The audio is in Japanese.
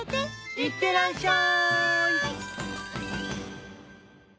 いってらっしゃい！